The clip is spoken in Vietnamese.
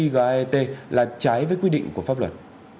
gaet là trái với quy định của pháp luật